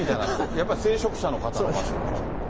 やっぱり聖職者の方の場所だから。